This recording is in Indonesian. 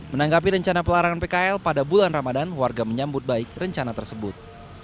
menanggapi rencana pelarangan pkl pada bulan ramadan warga menyambut baik rencana tersebut